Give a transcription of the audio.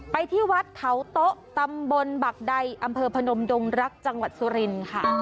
ที่วัดเขาโต๊ะตำบลบักใดอำเภอพนมดงรักจังหวัดสุรินค่ะ